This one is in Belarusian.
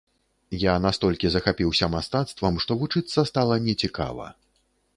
Я настолькі захапіўся мастацтвам, што вучыцца стала не цікава.